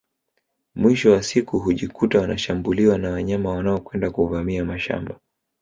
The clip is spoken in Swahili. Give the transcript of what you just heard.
Mwisho wa siku hujikuta wanashambuliwa na wanyama wanaokwenda kuvamia mashamba